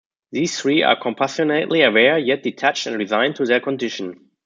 These three are compassionately aware, yet detached and resigned to their condition.